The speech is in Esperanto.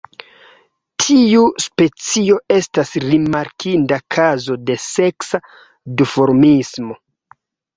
Tiu specio estas rimarkinda kazo de seksa duformismo.